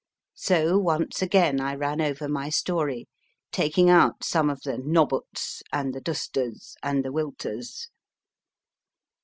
So once again I ran over my story, taking out some of the nobbuts and the dustas and the wiltas.